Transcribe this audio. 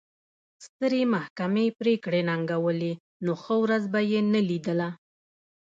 سترې محکمې پرېکړې ننګولې نو ښه ورځ به یې نه لیدله.